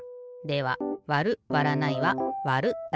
では「わる」「わらない」は「わる」だな。